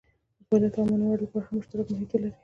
د فعالیت او مانور لپاره هم مشترک محیط ولري.